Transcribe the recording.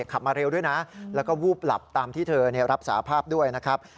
ขับมาเร็วด้วยนะแล้วก็วูบหลับตามที่เธอรับสาภาพด้วยนะครับ